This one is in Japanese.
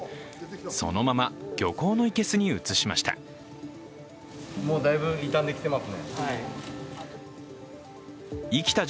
そのまま漁港の生けすに移しました。